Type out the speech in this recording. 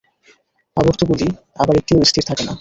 আবর্তগুলি আবার একটিও স্থির থাকে না।